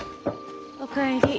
お帰り。